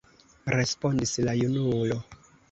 respondis la junulo.